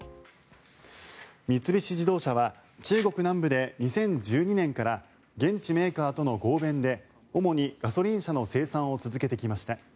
三菱自動車は中国南部で２０１２年から現地メーカーとの合弁で主にガソリン車の生産を続けてきました。